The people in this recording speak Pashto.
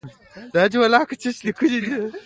ايډېسن له بارنس سره يو نوی قرارداد لاسليک کړ.